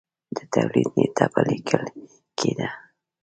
د تولید نېټه به لیکل کېده